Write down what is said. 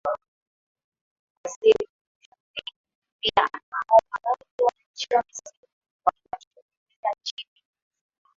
waziri mkuu shafik pia amewaomba radhi wananchi wa misri kwa kinachoendelea nchini humo